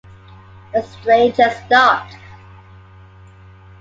The stranger stopped.